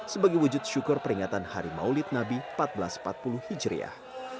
sebagai wujud syukur peringatan hari maulid nabi seribu empat ratus empat puluh hijriah